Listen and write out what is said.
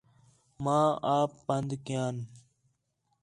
ماں آپ پند کیان